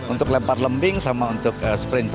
untuk lempar lembing sama untuk sprint seratus